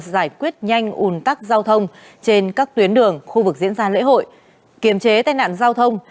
giải quyết nhanh ủn tắc giao thông trên các tuyến đường khu vực diễn ra lễ hội kiềm chế tai nạn giao thông